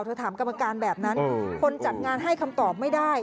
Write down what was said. ถามกรรมการแบบนั้นคนจัดงานให้คำตอบไม่ได้